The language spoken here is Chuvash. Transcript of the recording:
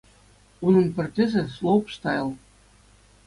Унӑн пӗр тӗсӗ -- слоупстайл.